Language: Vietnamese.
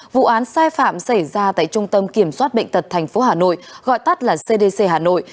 vụ án sai phạm xảy ra tại trung tâm kiểm soát bệnh tật tp hà nội gọi tắt là cdc hà nội